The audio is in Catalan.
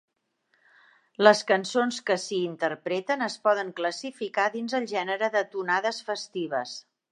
Les cançons que s’hi interpreten es poden classificar dins el gènere de tonades festives.